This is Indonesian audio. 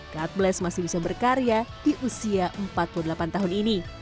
god bless masih bisa berkarya di usia empat puluh delapan tahun ini